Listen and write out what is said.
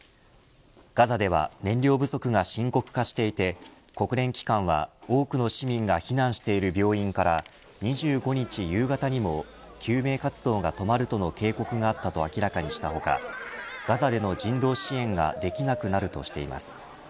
ガザでは燃料不足が深刻化していて国連機関は多くの市民が避難している病院から２５日夕方にも救命活動が止まるとの警告があったと明らかにした他ガザでの人道支援ができなくなるとしています。